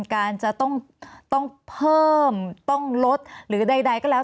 การจะต้องเพิ่มต้องลดหรือใดก็แล้ว